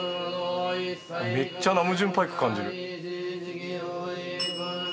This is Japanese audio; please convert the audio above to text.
めっちゃナム・ジュン・パイク感じる。